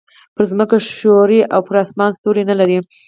پر ځمکه ښوری او پر اسمان ستوری نه لري.